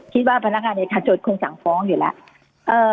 คิดว่าพนักงานสถาดประจงจะถูกจะฝอมยะครับ